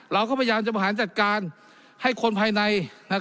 เราก็พยายามจะบริหารจัดการให้คนภายใน